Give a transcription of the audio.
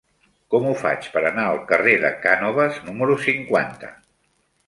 Com ho faig per anar al carrer de Cànoves número cinquanta?